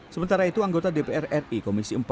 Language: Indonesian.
sementara itu anggota dpr ri komisi empat